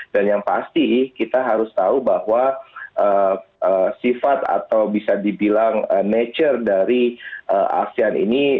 dan yang pasti kita harus tahu bahwa sifat atau bisa dibilang nature dari asean ini